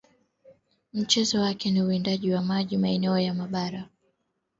mchezo wako ni uwindaji wa miji maeneo na mabara